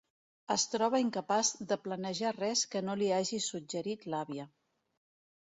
Es troba incapaç de planejar res que no li hagi suggerit l'àvia.